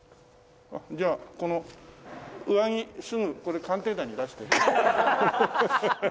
じゃあこの上着すぐこれ『鑑定団』に出して。